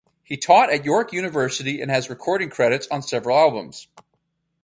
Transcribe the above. He taught at York University and has recording credits on several albums.